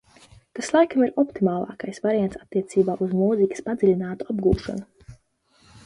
Tas laikam ir optimālākais variants attiecībā uz mūzikas padziļinātu apgūšanu.